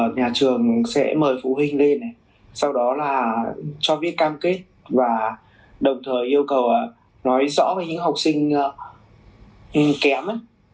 nhà trường sẽ mời phụ huynh lên sau đó là cho viết cam kết và đồng thời yêu cầu nói rõ với những học sinh kém